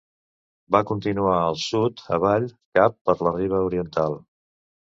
Va continuar al sud avall cap per la riba oriental.